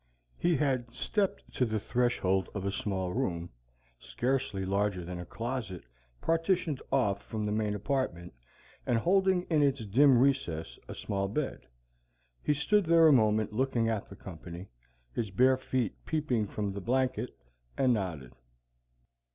He had stepped to the threshold of a small room, scarcely larger than a closet, partitioned off from the main apartment, and holding in its dim recess a small bed. He stood there a moment looking at the company, his bare feet peeping from the blanket, and nodded.